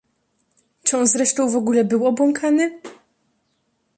"Czy on zresztą w ogóle był obłąkany?"